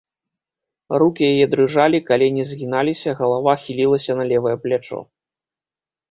Рукі яе дрыжалі, калені згіналіся, галава хілілася на левае плячо.